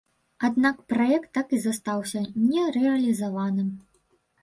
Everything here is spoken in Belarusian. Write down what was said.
Аднак праект так і застаўся нерэалізаваным.